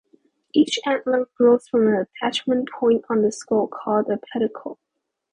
Each antler grows from an attachment point on the skull called a pedicle.